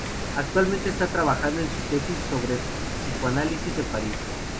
Actualmente está trabajando en su tesis sobre psicoanálisis en París.